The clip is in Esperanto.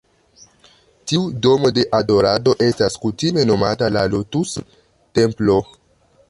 Tiu "Domo de Adorado" estas kutime nomata la "Lotus-Templo".